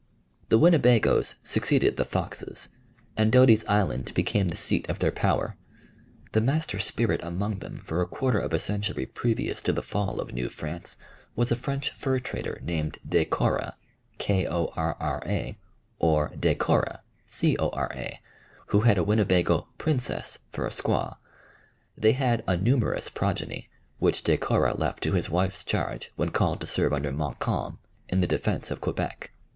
The Winnebagoes succeeded the Foxes, and Doty's Island became the seat of their power. The master spirit among them for a quarter of a century previous to the fall of New France was a French fur trader named De Korra or De Cora, who had a Winnebago "princess" for a squaw. They had a numerous progeny, which De Korra left to his wife's charge when called to serve under Montcalm in the defence of Quebec.